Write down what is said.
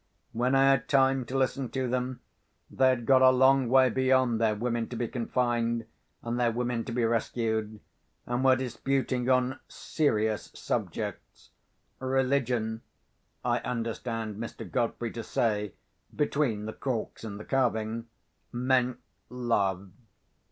When I had time to listen to them, they had got a long way beyond their women to be confined, and their women to be rescued, and were disputing on serious subjects. Religion (I understand Mr. Godfrey to say, between the corks and the carving) meant love.